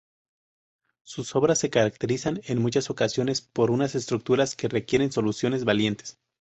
Sus obras se caracterizan en muchas ocasiones por unas estructuras que requieren soluciones valientes.